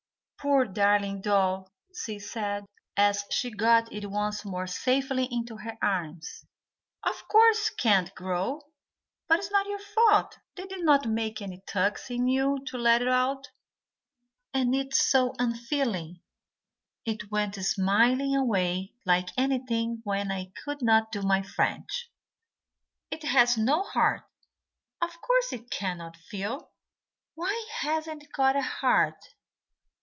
"Poor darling doll," Sis said, as she got it once more safely into her arms, "of course you can't grow, but it is not your fault, they did not make any tucks in you to let out." "And it's so unfeeling. It went smiling away like anything when I could not do my French." "It has no heart. Of course it can't feel." "Why hasn't it got a heart?"